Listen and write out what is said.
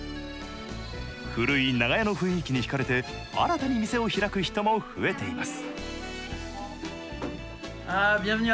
古い長屋の雰囲気に引かれて、新たに店を開く人も増えています。